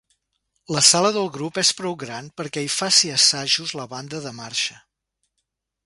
La sala del grup és prou gran perquè hi faci assajos la banda de marxa.